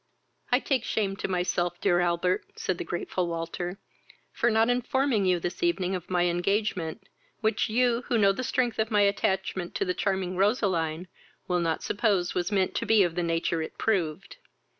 "I take shame to myself, dear Albert, (said the grateful Walter,) for not informing you this evening of my engagement, which you, who know the strength of my attachment to the charming Roseline, will not suppose was meant to be of the nature it proved.